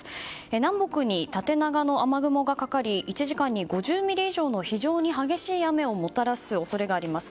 南北に縦長の雨雲がかかり１時間に５０ミリ以上の非常に激しい雨をもたらす恐れがあります。